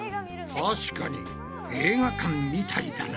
確かに映画館みたいだな。